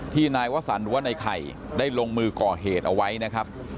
นายวสันหรือว่าในไข่ได้ลงมือก่อเหตุเอาไว้นะครับ